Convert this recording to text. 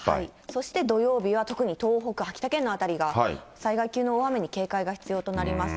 そして土曜日は、特に東北、秋田県の辺りが、災害級の大雨に警戒が必要となります。